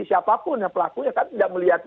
siapapun ya pelakunya kan tidak melihat